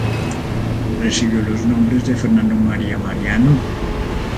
Recibió los nombres de Fernando María Mariano.